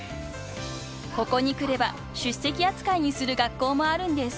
［ここに来れば出席扱いにする学校もあるんです］